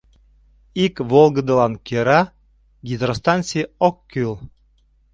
Ик волгыдылан кӧра гидростанций ок кӱл.